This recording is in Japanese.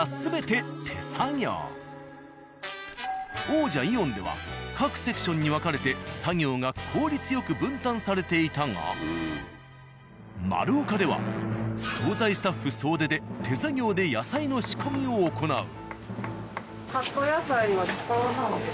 王者「イオン」では各セクションに分かれて作業が効率よく分担されていたが「まるおか」では惣菜スタッフ総出で手作業で野菜の仕込みを行う。